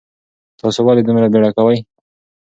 تاسو ولې دومره بیړه کوئ؟